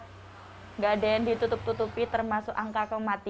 tidak ada yang ditutup tutupi termasuk angka kematian